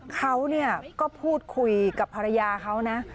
เขาก็พูดคุยกับภรรยาเขานะ